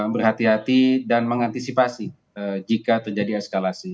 berhati hati dan mengantisipasi jika terjadi eskalasi